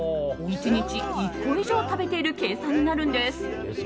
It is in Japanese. １日１個以上食べている計算になるんです。